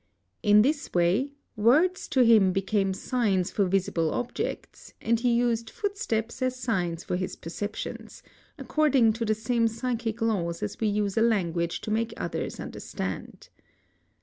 In this waiy words to hhn became signs for 'visible objects, and he used footsteps as signs for his perceptions, according to the same psychic laws as we use a language to make others understand.'